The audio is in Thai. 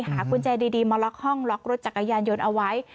กุญแจดีมาล็อกห้องล็อกรถจักรยานยนต์เอาไว้